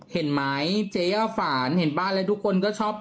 เห็นไหมเจ๊ย่าฝานเห็นบ้านแล้วทุกคนก็ชอบ